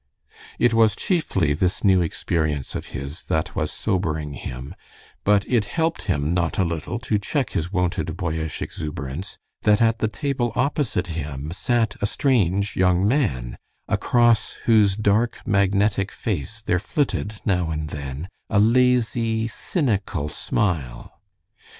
It was chiefly this new experience of his that was sobering him, but it helped him not a little to check his wonted boyish exuberance that at the table opposite him sat a strange young man, across whose dark, magnetic face there flitted, now and then, a lazy, cynical smile.